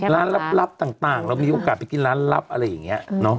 ร้านลับต่างเราบอกว่าขนาดร้านลับอะไรอย่างนี้